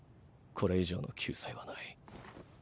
これ以上の救済はない。